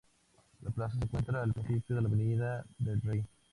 La Plaza, se encuentra al principio de la Avenida del Rey.